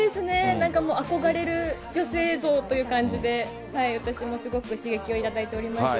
なんかもう憧れる女性像という感じで、私もすごく刺激を頂いております。